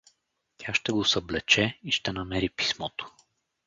Тя ще го съблече и ще намери писмото.